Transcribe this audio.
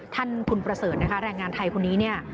ท่านคุณประเสริฐนะคะแรงงานไทยคนนี้เนี่ย